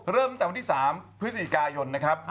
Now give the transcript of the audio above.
เริ่มตั้งแต่วันที่๓พฤศจิกายนนะครับ